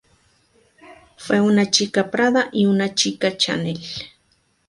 Fue una Chica Prada y una Chica Chanel.